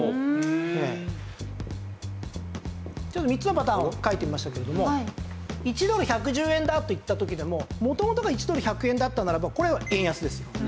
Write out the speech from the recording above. ちょっと３つのパターンを書いてみましたけれども１ドル１１０円だといった時でも元々が１ドル１００円だったならばこれは円安です。